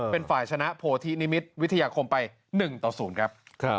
เป็นฝ่ายชนะโพธินิมิตรวิทยาคมไป๑ต่อ๐ครับ